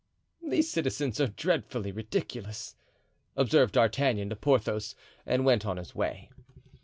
"These citizens are dreadfully ridiculous," observed D'Artagnan to Porthos and went on his way.